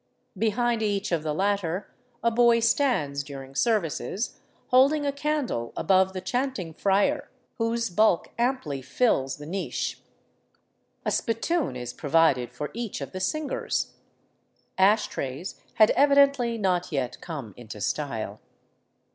Behind each of the latter a boy stands during services, holding a candle above the chanting friar whose bulk amply fills the niche. A spittoon is provided for each of the singers. Ash trays had evi dently not yet come into style.